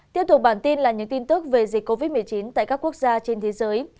tiếp tục bản tin là những tin tức về dịch covid một mươi chín tại các quốc gia trên thế giới